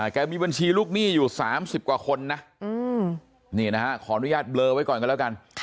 แกมีบัญชีลูกหนี้อยู่๓๐กว่าคนนะนี่นะฮะขออนุญาตเบลอไว้ก่อนกันแล้วกัน